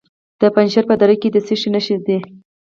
د پنجشیر په دره کې د څه شي نښې دي؟